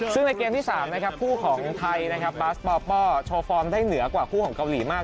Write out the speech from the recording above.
ซึ่งในเกมที่๓ผู้ของไทยบาสปอปเปาโชว์ฟอร์มได้เหนือกว่าผู้ของเกาหลีมาก